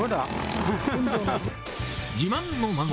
自慢の孫だ。